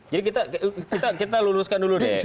jadi kita luluskan dulu deh